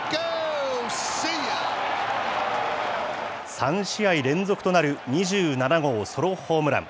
３試合連続となる２７号ソロホームラン。